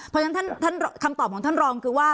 เพราะฉะนั้นท่านคำตอบของท่านรองคือว่า